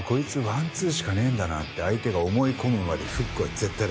ワンツーしかねえんだなって相手が思い込むまでフックは絶対出すな。